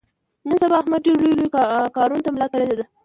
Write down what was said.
نن سبا احمد ډېرو لویو لویو کاونو ته ملا تړلې ده.